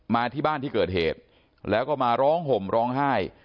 มาที่บ้านที่เกิดเหตุแล้วก็มาร้องห่มร้องไห้